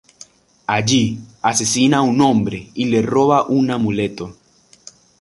Allí asesina a un hombre y le roba un amuleto.